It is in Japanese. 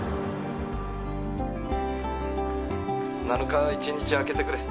７日１日空けてくれ。